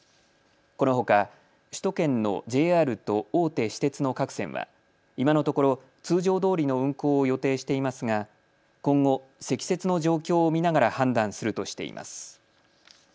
このほか首都圏のＪＲと大手私鉄の各線は今のところ通常どおりの運行を予定していますが今後、積雪の状況を見ながら判断するとしています。